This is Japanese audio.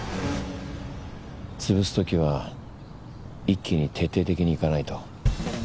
潰すときは一気に徹底的にいかないと。